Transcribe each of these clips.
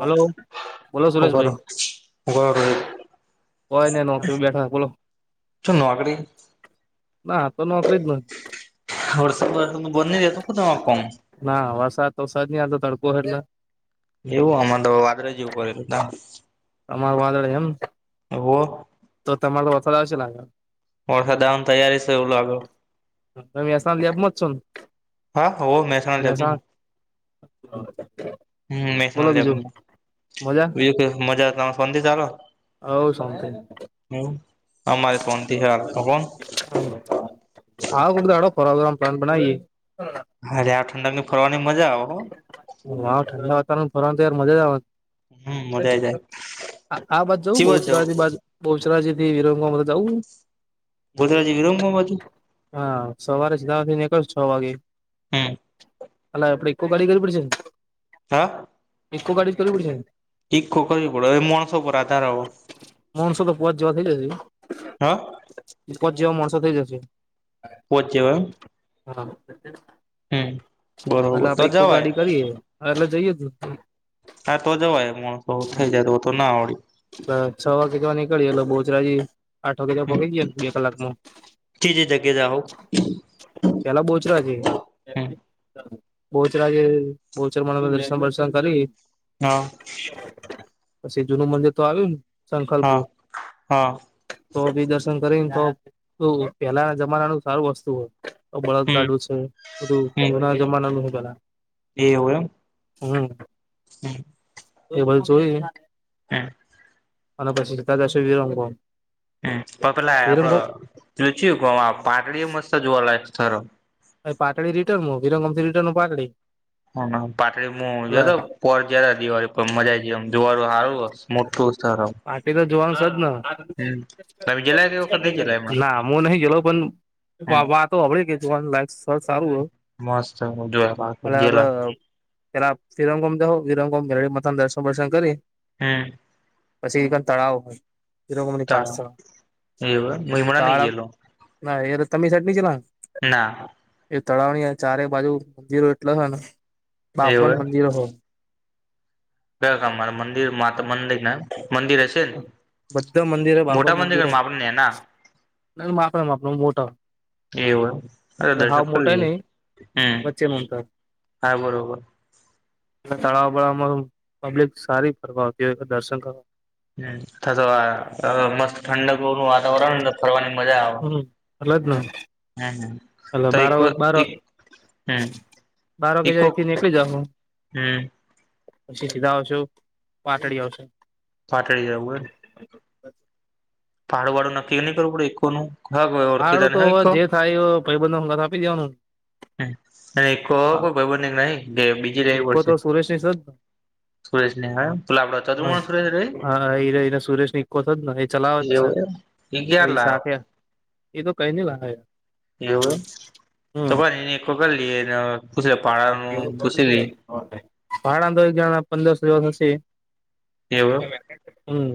Hello બોલો સુરેશભાઈ હ [unintelligible] કોઈને નોકસરી બેઠા કોલો. શું ના તો વર્ષો વરષ બંધ જતો ક ત કમ [unintelligible] ના વરસાદ તો વસાદ ન આ તો તડકો હેલા. એવું અમારે તો વાદરે જવું કરેલું ત. તમારું વાદળ એમ, તો તમાર તો વથળ આવશે લાગેળ. વર્સાાદાઉન તૈયારી છે એવું લાગે. તસ લબમાંત છો. હા મેહેસાણા જું. મહેસાણા હમ બોલો મેખણા લે આપ બીજું મજા [unintelligible] મજા ત સધી ચાલ. હવ સમથીંગ. હવ. તા [unintelligible] હા તોડો પર પ્લાન બનાવી. અરે આ ઠંડક ની ફરવાની મજા આવે. હ ઠંડ વાતાવરણ ફરવાનું તો યાર મજા હમ મજા આઈ જાય આવેવાની. આ બાત જઉું ચીવર જવું બહુચરા બહુચરાજીથી વિ ત તો જઉ. બોધરાજી વિરંગો માંજું. હા સવારે જધથી નીકળ છ વાગે. હમ. અઆપડે એકકો ગાડી કરવી પડશે ને? હા. કો ગાડી ચલી પડી. એક ખોખ પડ માણસો પર આધારો. માનસો તો પવા જવા થઈ જાયશે. હા. પ જવ મણસ થઈ જ છે. પહોચવા. હા ભ બરોબર આપડે તો એકકો જવાય ગાડી કરીએે. હા એટલે જઈએ ત. હા તો જવાય માણસો થઈ જાય તો તો ના આવડે. છ વા કેટવા નીકળી એલો બહુચરાજી. આઠ વાગે ત્યા હમ પગી ગયા બે કલાકમાં. ચીજ જગ્યા જાઓ પેલા બોચરા છે. હમ બહચરાજે બહચર મન દર્શન દર્શન કાલી. હા. પછી જુનું મંદિર તો આવ્યું ને, હા સંખલપુર. હા. તો બી દર્શન કરીને તો પહેલાના જમાનાનું સારું વસ્તુ હોય. હમ બળદગાડું છે, બધું જુના જમાના ન છે પેલા. એવ એમ. હમ. હમ. એ ભાઈ જોય. હમ. અનપ્રસિ્ધતા દશે વીરંગોમ. હ, પણ પેલા આપડ પુંચું કે પાટડી મસ્ત જોવા લયક સ્થળો. પાટડી રટર્ન વિરમ રિટર્ન પાટળડી. હ પાટળીમાં જોતોર જ દિવાળી પર મજા જઈમ દુવારું હારું. મોટુંસર. પાર્ટી તો જોવાનું જ તમે ગેલા કે વખત નઈ ન, ગેલા એમાં ના હું નહી ગે પણ. હમ વાતો હડી કે જોવાનું લાઈફ સર સારું હોય, મસ્ત જોયા અને ગેલા આપડ પેલા વિરંગોમ દહો વિરંગોમ મેળ મથા દર્શન વર્શન કરી. હમ. પછી તળાવ હોય પા એવું એમ હું હમણાં નઈ તળ. ગયેલો ના એ તો તમ સટની છે. ના. એ તળાવની ચારે બાજુ મંદિરો એટલે હ ને, બાપ એવું મંદિરો હો. ક કામ મારે મંદિર મા મંદિર ને મંદિર હશે ને. બધા મંદિર બાબર મોટા મંદિર મંદિરે, આપણે નેના માપણા માપણા મોટા. એવય અરે હાવ દર્શક ખરી મોટા નઈ દએ, હમ વચ્ચે મોટા હા બરોબર. તળાવ બળમાં પબ્લિક સારી ફરવા આવતી હોય દર્શન કરવા. હમ અતો મસ્ત ઠંડક નું વાતાવરણ ફરવાની. મજા આવે, હમ હમ હ. હલો બાર બાર બારગે ઈકો એથી નીકળી જા હું. હમ પછી સીધા આવશો, પાટડી આવશે. પાટળ જવુંય. ભાડું વાળું નક્કી નહીં કરવુંડે એકકો નનું. હડું તો હવે જે થાયબંધ આપી દેવાનું. અને કો કોઈ ભબની ન ગે બી. ઈકો તો સુરેશ ની છે જ. સુરેશ ને હા પેલા આપડો હા ચતુર્ણ સુરેશ રે હા એને સુરેશ ઇકો થ જ ને એ ચલાવે જ છે. એગયાર એ લાખ સાથે એ તો કઈ ની લખાય. એવું, તો એને વ કરી લઈએ ને પૂછ લ પાડાનું પૂછ લએ. ભાડા તો એક જણા પંદરસો જેવા થશે હમ્મ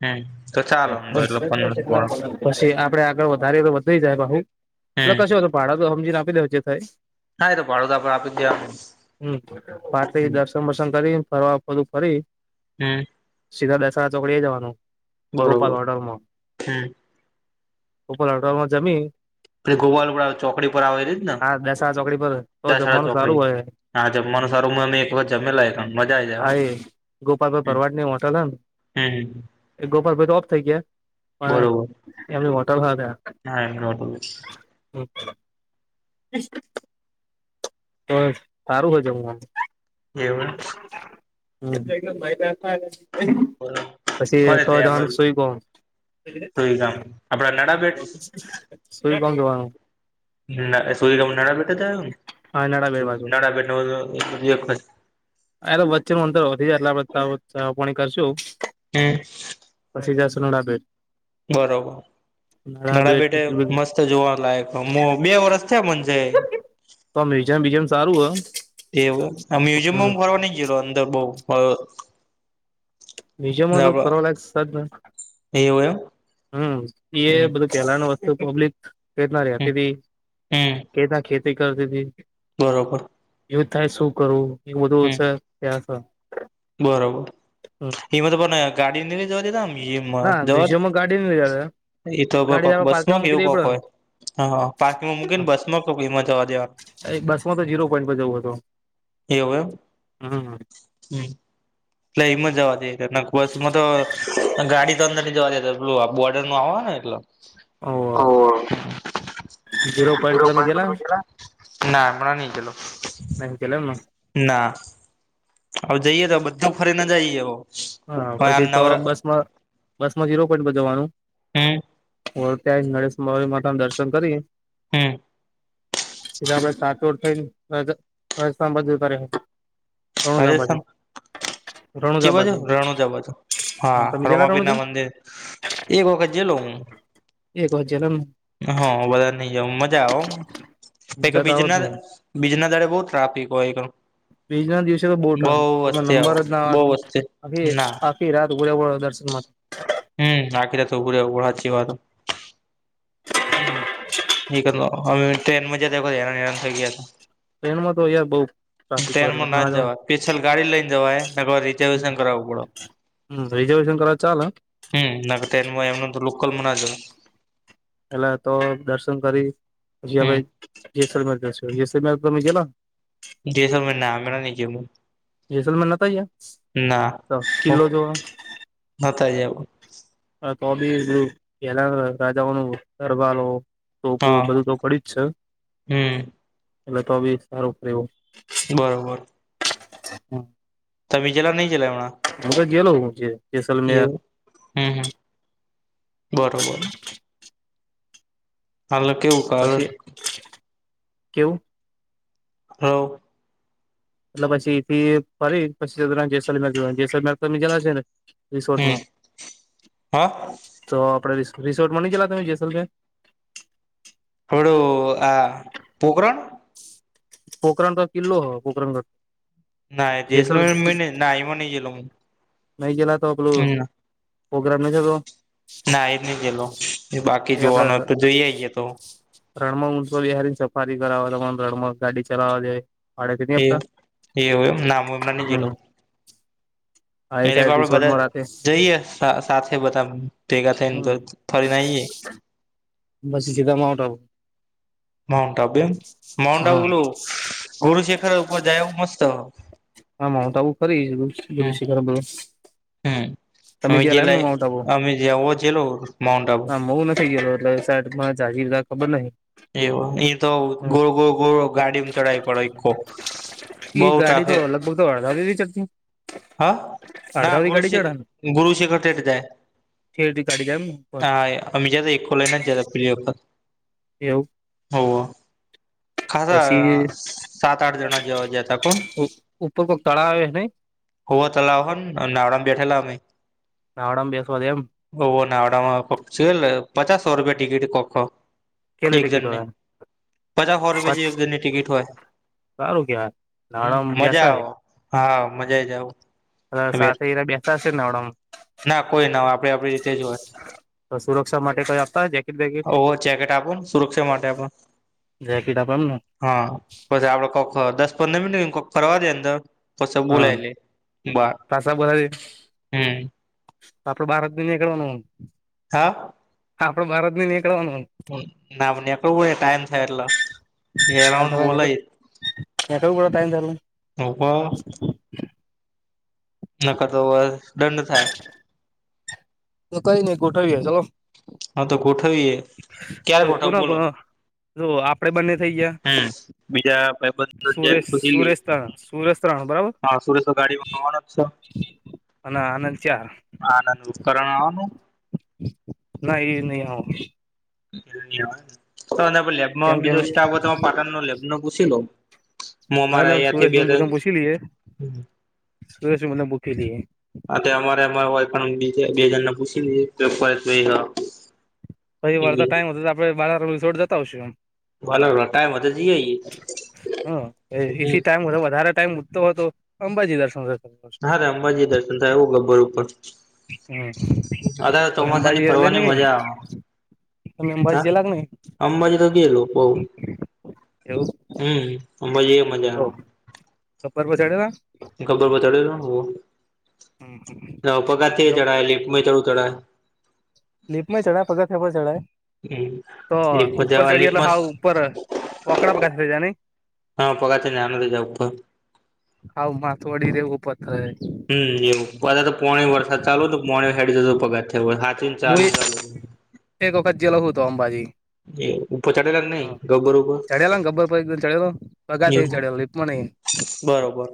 હમ્મ તો ચાલો આમ તો એટલે પંદર ભાડું પસી આપડે આગળ વધારીએ તો વધી જાય પાહુ એટલે હમ કશું હો ભાડા તો હમજીને ના આપીદે જે થાય હા એ તો ભાડું તો આપડે આપી જ દેવાનું હમ્મ [unintelligible] દર્શન વર્શન કરી ફરવા બધું ફરી હમ્મ સીધા [unintelligible] ચોકડી જવાનું બરોબર ગોપાલ હોટલમાં હમ ગોપાલામ હોટલ માં જમી [unintelligible] ચોકડી પર આવેલી છે એજ આ દસ આ ચોકડી પર તો ન દસેરા જમવાનું સારું ચોકડી હોય હા જમવાનું સાર મલે અમે એક વખત જમેલા એમાં હા એ ગોપાલભાઈ ભરવાડ ની હોટલ હમ [unintelligible] એ ગોપાલભાઈ તો ઓફ થઇ ગયા બરોબર પણ એમની હોટેલ હાલે હા એમ [inaudible] તો સારું [unintelligible] એવું એમ [unintelligible] પછી ફરે [unintelligible] દે ગામ આપણા [unintelligible] સૂઈ કોન જવાનું નાડા બેડ બાજુ [unintelligible] [unintelligible] વચ્ચે નું અંતર વધી જાય એટલે આપણે ચા પાણી કરશુ હમ્મ પછી [unintelligible] બરોબર નડા નાણા બેટ બેેટે ટિકિટ મસ્ત જોવા લાયક બે વર્ષ થયા મન જઈ તો મ્યુઝિમ બીઝમ સારું હો એવુ મ્યુઝિયમમાં હું ફરવા નઈ ગયેલો અંદર બવ મ્યુઝિયમમાં તો ફરવા લાયક [unintelligible] એવું એમ હમ્મ એ હમ બધું પહેલા નું વસ્તુ પબ્લિક કેવીતના હમ રેતીતી હમ કેવીતના ખેતી કરતીતી બરોબર [unintelligible] થાય શું કરવું એ બધું હમ છે ત્યાં બરોબર હમ એમાં તો પણ ગાડી ના મ્યુઝિયમમાં [unintelligible] ગાડી [unintelligible] એતો ગાડી [unintelligible] આપડે પાર્કિંગમાં બસમાં કે મૂકી એવું દેવી કોક પડે હોય હા પારકિંગમાં મૂકી ને બસમાં [unintelligible] જવા દેવાનું બસ માં તો ઝીરો પોઈન્ટ પર જવું હતો એવું એમ હમ્મ હમ્મ હમ્મ એટલે એમાં જવા દેય નક બસામાં તો ગાડી તો અંદર નય જવા દેતા પેલું બોર્ડર નું આવ હને એટલે ઓ હા. ઝીરો પોઈન્ટ પર તમે ગેલા ના હમણાં નહીં ગયેલો. [unintelligible] ના. હવે જઈએ તો બધું ફરી ને જઈ [unintelligible] હા. પછી તો બસમાં બસમાં ઝીરો પોઈન્ટ બજવવાનું. હમ્મ. [unintelligible] માતા નું દર્શન કરી હમ્મ. સીધા આપડે સાતોર થઈન રાજ રાજસ્થાન બાજુ ઊભા રહે હે. રાજસ્થાન, કી બાજુ? રણુજા બાજુ. હા. તમે ગેલા રામાપીર ના રણુજા મંદિર, એક વખત જઈલો હું. એકવાર જનમ હા. વધાર નહીં [unintelligible] મજા આવે હો ઓમાં. મજા તો આવત એકાબીજા ને [unintelligible] બીજના દાડે બહું ટ્રાફિક હોય [unintelligible] બીજ ના દિવસે તો બઉ બહુ ટ્રાફિક. તેમાં વસ્તી આવો નંબર જ ના બહુ આવેન. વસ્તી હવે ના આખી રાત ઊભું રહેવું પડે દર્શન માં. હમ્મ. આખી રાત ઉભુ રહેવું પડે, હાચી વાત હે. [unintelligible] ટ્રેનમાં તો યાર બઉ ટ્રાફિક હોય એટલે ટ્રેનમાં ના જવાય. પેશલ ગાડી લઈન જવાય, નકર રિઝર્વેશન કરાવવું પડે. હમ્મ રિઝર્વેેશન કરાવ તો ચાલે. હમ્મ. [unintelligible] લોકલમાં ના જવાય. એેટલે તો દર્શન કરી પછી હમ આપણે જેસલમેર જશું. જેસલમેર તમે ગયેલા? જેસલમેર ના, હમણાં ની ગીયો હું. જેસલમેર નતા ગિયા? ના. હો નતા જાઉં. આ તોબી પેલા રાજાઓનું દરબારો તોપો હા બધું તો પડી જ છે, હમ એટલે તો બી સારું એવું. બરોબર. હમ્મ. તમે ગિયેલા? ની ગિયેલા વા? હું તો જિયેલો હું જે એવું? હમ્મ-હમ્મ, બરોબર. હાલે કેવું કાલ પછી કેવું? [unintelligible] એટલે પછી થી ફરી પછી [unintelligible] જેસલમેર જોવા, જેસલમેર તમે જિયેલા છે ને હમ રિસોર્ટમાં, હા તો આપણે રિસો, રિસોર્ટમાં ની ગિયેલા તમે જેસલમેર? [unintelligible] આ પોકરણ? પોકરણ તો કિલ્લો, પોકરણગઢ. ના જેસલ, જેસલમેર મેને ના એમાં નહી ગેલો હું નહીં ગિયેલા તો પેલું હમ્મ પોગ્રામ ન થતો ના ઈ ની જયેલો. બાકી એ આપડે જોવાનો તો જઈ આઈએે તો. રણમાં [unintelligible] સફારી કરાવવા તમાર રણમાં ગાડી ચલાવા દેઈ. એવ એવું એમ ને. ના મે હમણા ની ગયેલો. હમ હા એ એલે સાઈડ પાપડે રિસોર્ટમાં રાતે બધા જઈએ સા સાથે બધા ભેગા થઈને હમ તો થોરીને આઇએ. બસી સીધા માઉન્ટબુ. માઉન્ટ આબુ એમ માઉન્ટ હા આબુલો ગુરુ શેખર ઉપર જાયવું મસ્ત. હા માઉન્ટ આબુ ફરી હમ હમ તમે અમે જેલા એમ ને ગેલા માઉન્ટ આબુ? અમે જે ઓજ જેલો માઉન્ટ આબુ. મહુ નથી ગેલો તો એ સાત માં ઝાજીદા ખબર નહિ. એવ એ તો હમ ગોળ ગોળ ગોળ ગાડીમ ચડાવી પડે ઈકો. બઉ ટ્રાફિક. તોડ દદી ચલ્તી. હા ના, ગુરુ શ ગુરુ શેખર તેટ જાય. ખથી કાઢી જામ. અી જા એકકો લઈના જ ખુલી. એવ હો, પછી ખાસ સાત આઠ જણા જેવા જ હતા. પણ. તો કોઈક તળાવ આવે છે નહી. હો તલા હોન નાવડામાં બેઠેલામેમે. નાડામ બેસવાે એમ? ઓ નાવડામાં પચાસસો રૂપિયા ટિકિટ કોખો. કેલ એક જણને ટટેકટવા. પચાસ સો રૂપિયા જેની ટિકિટ હોય, સારું કેવાય હમ નાવડામાં મજા આવે. બેસાય હા મજા જાવ. હ સાથે એરા બેતાશે ને હડ. ના કોઈ ના હોય આપડે આપડી રીતે જોવા. તો સુરક્ષા માટે કોઈ આપતા. બેકેટ ઓ ચેકેટ આપણ સુરક્ષા માટે આપ. જેકેટ આપે એમને હા, પછી આપડે કોક દસ પંદર મિનિટ કોક ફરવા દે અંદર. કસ હા બોલાય લ, બ પાછા હમ. આપલો ભારત દુનિયાકડ બનાવું. હા. આપડે ભારત ની નીકળવાનું. ના નીકળવું હોય ટાઈમ થાય એટલે, અરાઉન્ડ બોલાય. કું કડા ત ત. નભવા. [unintelligible] નખતો બ દંડ થાય. તો કઈ નહી કોઠવીયા ચલો. હા તો ગોઠવીએ, ક્યારે ગોઠવ કોના બોલો. કોના જો આપડે બંને થઈ ગયા હ બીજા ભાઈબંધ જે ખુશીલી. સૂર્યસ્ત્રાણ બરાબર. હા સુરેશ ગાડીમાં હોવાનો જ છે, અને આનંદ ચાર આનંદ. કરણ ઓનું? ના એ નહી હ. તો લેબમાં કેમ કેમ બીજો સ્ટાફ હો પાટણ ન લેબ નો પૂછ લો. મો એટલે મારા અંથી સુરેશ બે. સુ મને બૂકીધ. આ અમારે અ હોય પણજ બે જણને પૂછી લ. પછ વળતા ટાઈમ હતો તો આપણે બારોડ જતા આવશું એમ. ભ ટાઈમ. [unintelligible] હ એથી ટાઈમ વધારે ટાઈમ મૂકતો હોય તો અંબાજી દર્શન કર. હારે અંબાજી દર્શન થાય એવું ગબ્બર ઉપર. હમ અત તમે ચોમાસાની અંબાજી એ લઈને ફરવાની ગઈ મજા આવે. તમે અંબાજી હા જેલા કે નહી અંબાજી તો ગેલો બઉ. એવું. હમ, મજ મજા. કપર પછાડે? ખબર પ ચડેને, પગારથી ચડાય લ ચડું ચડાય. લીપમાં ચડાય પગારેપર ચડાય, હમ તો લીફ્ટમાં ઉપર જવા ચડી એટલે લીફ્ટમાં હાવ. ઉપર વકડાપ ગાસ છે ને. હા પગા છે ન તો જાવ. હા માથવાડી રેવો પ થય. હમ એવું બધા તો પોણી વરસાદ ચાલુય તો પોણી સાઈડી જતો પગાર થયો સાચી ચા હું ને ચાલ. એક વખત જેલો હત તો અંબાજી. હમ. ઉપર ચાઢેલા નહી હા ગબ્બર ઉપર, ચડેલો ને ગબ્બર પર એકદમ ચડેલો પગાથે અ. ચડેલો લીપમાં નહી બરોબર.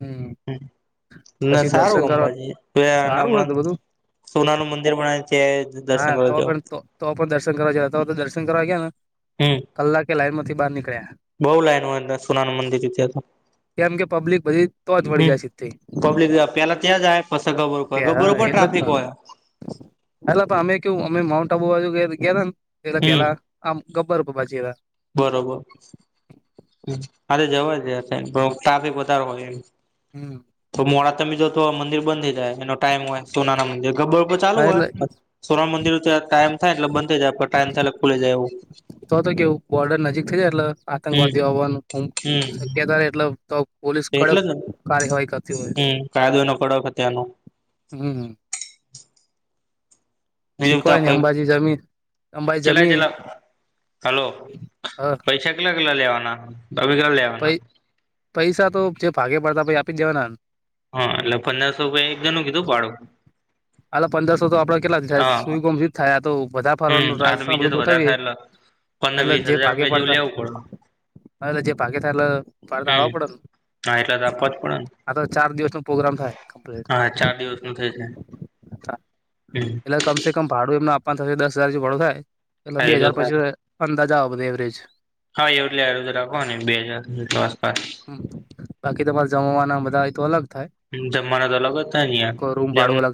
હમ ના પછી સારું દર્શન કરવા અંબાજી સારું હમણાં. હતું બધું સોનાનું મંદિર બનાવ્યું છે. દર્શન હા તો કરવા જાવ પણ તો પણ દર્શન કરવા જો તો તો દર્શન કરવા ગયા ને. હમ કલાકે લાઈન માંથી બહાર નીકળ્યા. બહુ લાઈન હોય અંદર સોનાનુ મંદિરમાં. કેમ કે પબ્લિક બધી તો જ વળી જાય સીધી. પબ્લિક પેલા ત્યાં જાય પસ ગબ્બર હોય હા ગબ્બર ઉપર એટલે જ ટ્રાફિક ને, હોય. એટલે અમે કયું અમે માઉન્ટ આબુ બાજુ ગેયા ને એટલે, હમ પેલા આમ ગબ્બર પર પછી ગે તા. બરોબર. અરે જવા જ ટ્રાફિક વધારે હોય એમ. હમ. તો મોડા તમે જો તો મંદિર બંધ થઈ જાય એનો ટાઈમ હોય સોના ના મંદિર ગબ્બર ઉપર ચાલુ હા હોય. એટલે સોના મંદિર ટાઈમ થાય એટલે બંધ થ જાય પણ ટાઈમ થાય એટ ખુલી જાય એવું. તો તો કેવું બોર્ડર નજીક થ જ એટલે હમ આતંકવાદી હોવાનું હમ શક્યતા એટલે તો. પોલીસ એટલે કડક જ ને કાર્યવાહી કરતી હોય, હમ કાયદો એનો કડક ત્યાંનો હમ હમ. બીજું ત શીખવાય નહી અંબાજી જમીન અંબાજી ચેલા જમીન. ચેલા હલો પૈસા કેટલા કેટલા લેવાના? તમે કેટલા લેવા? પ પૈસા તો જે ભાગે પડતા પછી આપી જ દેવાના. હા એટલે પંદરસો રૂપિયા એક જ નું કીધું ભાડો. અલે પંદરસો તો આપડે કેટલા થાય હા સુઈ ગમ થાય તો બધા હમ ફરવાનું આ તો રાજસ્થાન બીજે બધું તો વધારે ગોઠવીએ. થાય એટલે પંદર એટલે વીસ જે હજાર ભાગે રૂપિયા જેવું પાડતા, લેવું પડે એટલે જે ભાગે થાય એટલે પાડતા હમ આવવા પડેને. હા એટલે તો આપવા જ પડે ને, નો પ્રોગ્રામ થાય કમ્પ્લીટ હા ચાર દિવસ નું થઇ જાય. એટલે કમસે કમ ભાડું એમને આપવાનું થશે દસ હજાર જે ભાડું થાય. એ હા બે તો હાજાર થાય પછી અંદાજ આવવા બધે એવરેજ. હા એવટ લજ રાખો ને બે હજાર બજેટ આસપાસ. હમ્મ, બાકી તમાર જમવાના બધા ઈ તો અલગ થાય. જમવાના તો અલગ જ થાય ને યાર રૂમ જમ ભાડું અલગ